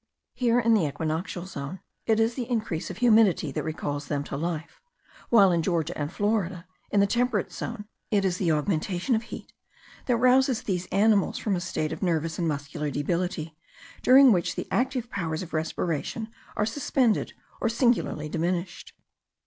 Here, in the equinoctial zone, it is the increase of humidity that recalls them to life; while in Georgia and Florida, in the temperate zone, it is the augmentation of heat that rouses these animals from a state of nervous and muscular debility, during which the active powers of respiration are suspended or singularly diminished.